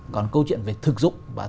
còn câu chuyện về thực dụng